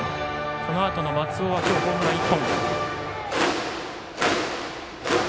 このあとの松尾は今日ホームラン１本。